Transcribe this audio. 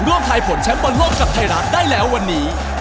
ทายผลแชมป์บอลโลกกับไทยรัฐได้แล้ววันนี้